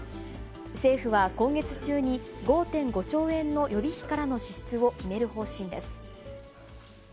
政府は今月中に、５．５兆円の予備費からの支出を決める方針です。